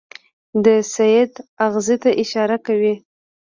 د سید اغېزې ته اشاره کوي.